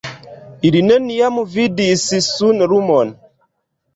Ili neniam vidis sunlumon.